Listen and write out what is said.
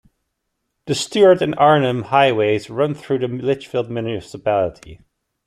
The Stuart and Arnhem Highways run through the Litchfield Municipality.